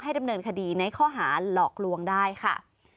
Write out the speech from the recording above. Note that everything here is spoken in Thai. ดำเนินคดีในข้อหาหลอกลวงได้ค่ะ